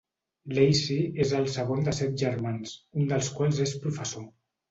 Lacey és el segon de set germans, un dels quals és professor.